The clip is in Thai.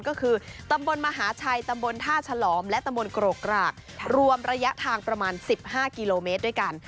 ก็คือตำบลมหาชัยตำบลท่าฉลอมและตำบลโกรกกรากรวมระยะทางประมาณ๑๕กิโลเมตรด้วยกัน